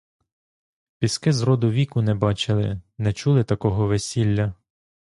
Піски зроду-віку не бачили, не чули такого весілля!